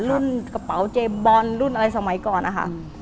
รุ่นกระเป๋าเจมส์บอลรุ่นอะไรสมัยก่อนอะค่ะ